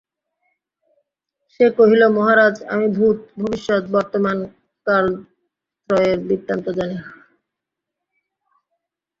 সে কহিল, মহারাজ, আমি ভূত, ভবিষ্যৎ, বর্তমান কালত্রয়ের বৃত্তান্ত জানি।